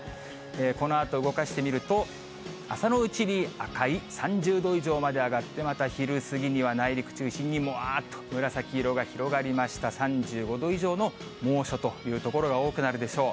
このあと動かしてみると、朝のうちに赤い３０度以上まで上がって、また昼過ぎには内陸中心に、もわーっと紫色が広がりました、３５度以上の猛暑という所が多くなるでしょう。